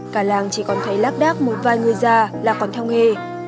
cả làng chỉ còn thấy lác đác một vài người già là còn theo nghề